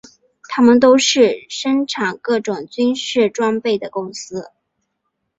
它们都是生产各种军事装备的公司。